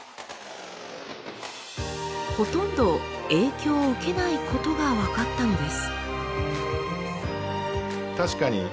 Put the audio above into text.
ほとんど影響を受けないことが分かったのです。